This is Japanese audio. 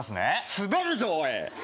スベるぞおい